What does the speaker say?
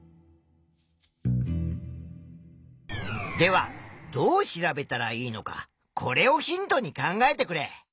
ではどう調べたらいいのかこれをヒントに考えてくれ。